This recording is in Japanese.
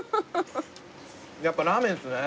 やっぱラーメンっすね。